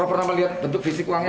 gak pernah melihat bentuk fisik uangnya